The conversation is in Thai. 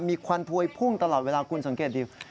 มีควันพวยพุ่งตลอดเวลาคุณสังเกตดี